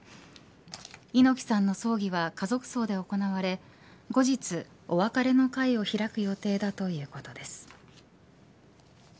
猪木さんの葬儀は家族葬で行われ後日、お別れの会を開く予定だということです。